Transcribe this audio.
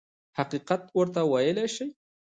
حقیقت ورته وویل شي.